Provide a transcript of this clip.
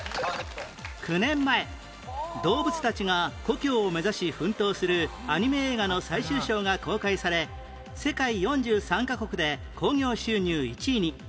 ９年前動物たちが故郷を目指し奮闘するアニメ映画の最終章が公開され世界４３カ国で興行収入１位に